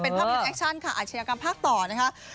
เป็นภาพยนตแอคชั่นค่ะอาชญากรรมภาคต่อนะคะ